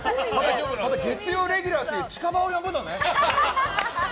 月曜レギュラーという近場を呼ぶのね。